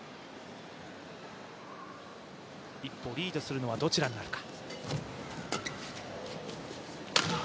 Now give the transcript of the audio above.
一歩リードするのはどちらになるか。